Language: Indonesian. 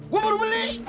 gue baru beli